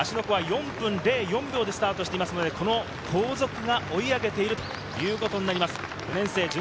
湖は４分０４秒でスタートしているので後続が追い上げているということになります。